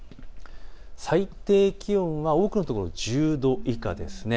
最低気温は多くの所１０度以下です。